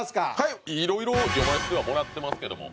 いろいろ読ませてはもらってますけども。